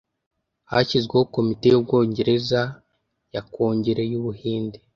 hashyizweho Komite y'Ubwongereza ya Kongere y’Ubuhinde